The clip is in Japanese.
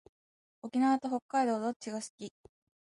沖縄と北海道どっちが好き？